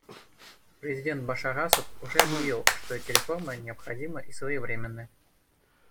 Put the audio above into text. Президент Башар Асад уже объявил, что эти реформы необходимы и своевременны.